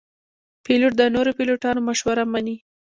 پیلوټ د نورو پیلوټانو مشوره مني.